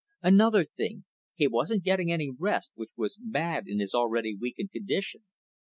Another thing, he wasn't getting any rest, which was bad in his already weakened condition.